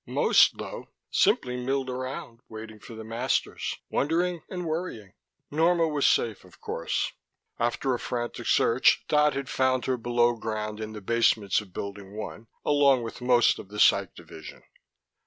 Most, though, simply milled around, waiting for the masters, wondering and worrying. Norma was safe, of course: after a frantic search Dodd had found her below ground in the basements of Building One, along with most of the Psych division.